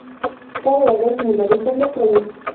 كان لديه مدرّس مصري.